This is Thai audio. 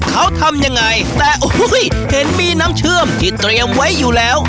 เขาทำยังไงแต่โอ้โหเห็นมีน้ำเชื่อมที่เตรียมไว้อยู่แล้ว